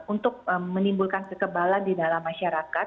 untuk menimbulkan kekebalan di dalam masyarakat